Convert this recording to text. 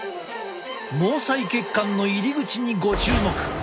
毛細血管の入り口にご注目。